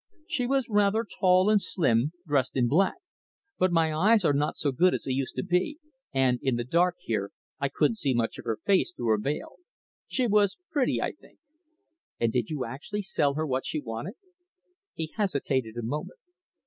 "She was rather tall and slim, dressed in black. But my eyes are not so good as they used to be, and, in the dark here, I couldn't see much of her face through her veil. She was pretty, I think." "And did you actually sell her what she wanted?" He hesitated a moment.